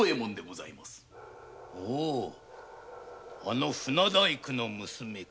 おあの船大工の娘か。